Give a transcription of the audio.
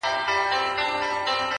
توره مي تر خپلو گوتو وزي خو.